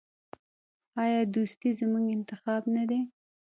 آیا دوستي زموږ انتخاب نه دی؟